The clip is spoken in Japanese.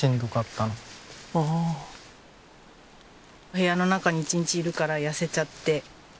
部屋の中に一日いるから痩せちゃって。